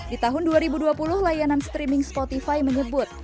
di tahun dua ribu dua puluh layanan streaming spotify menyebut